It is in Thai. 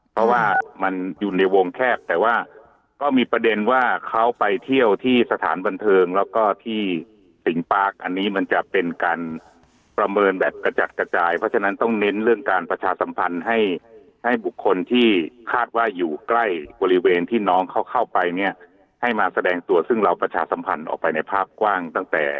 เพราะว่ามันอยู่ในวงแคบแต่ว่าก็มีประเด็นว่าเขาไปเที่ยวที่สถานบันเทิงแล้วก็ที่สิงปาร์คอันนี้มันจะเป็นการประเมินแบบกระจัดกระจายเพราะฉะนั้นต้องเน้นเรื่องการประชาสัมพันธ์ให้ให้บุคคลที่คาดว่าอยู่ใกล้บริเวณที่น้องเขาเข้าไปเนี่ยให้มาแสดงตัวซึ่งเราประชาสัมพันธ์ออกไปในภาพกว้างตั้งแต่